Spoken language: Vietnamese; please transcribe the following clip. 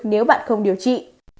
nếu bạn không điều trị